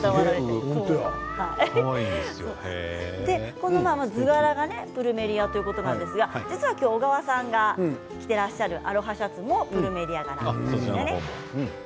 この図柄がプルメリアということなんですが実は今日小川さんが着ていらっしゃるアロハシャツもプルメリアです。